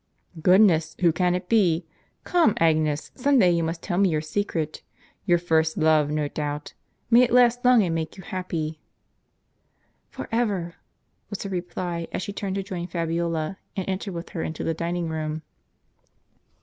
" Goodness ! who can it be ? Come, Agnes, some day you must tell me your secret. Your first love, no doubt ; may it last long and make you happy !" "For ever! " was her reply, as she turned to join Fabiola, and enter with her into the dining room.